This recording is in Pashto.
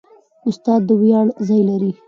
استاد د ویاړ ځای لري.